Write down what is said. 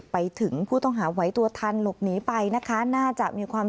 ไปถึงผู้ต้องหาไหวตัวทันหลบหนีไปนะคะน่าจะมีความ